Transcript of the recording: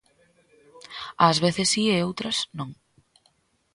Ás veces si e outras, non.